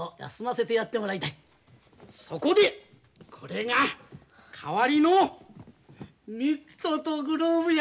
そこでこれが代わりのミットとグローブや。